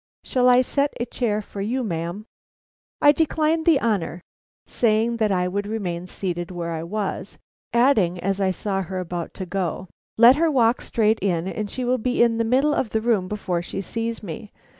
Shall I set a chair for you, ma'am?" I declined the honor, saying that I would remain seated where I was, adding, as I saw her about to go: "Let her walk straight in, and she will be in the middle of the room before she sees me.